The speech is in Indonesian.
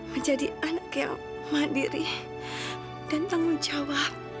menjadi anak yang mandiri dan tanggung jawab